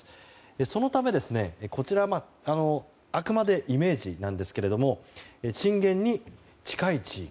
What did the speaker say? そのため、こちらはあくまでイメージなんですが震源に近い地域